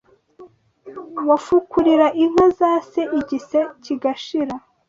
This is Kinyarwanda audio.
Wafukurira inka za se igise kigashira